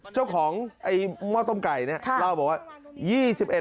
เจ้าของไอ้หม้อต้มไก่เนี่ยเล่าบอกว่า